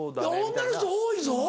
女の人多いぞ。